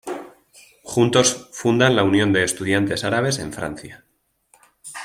Juntos fundan la Unión de Estudiantes Árabes en Francia.